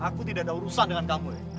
aku tidak ada urusan dengan kamu